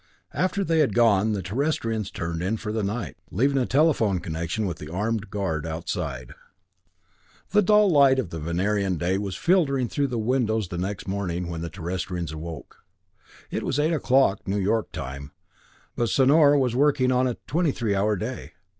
After they had gone, the Terrestrians turned in for the night, leaving a telephone connection with the armed guard outside. The dull light of the Venerian day was filtering in through the windows the next morning when the Terrestrians awoke. It was eight o'clock, New York time, but Sonor was working on a twenty three hour day.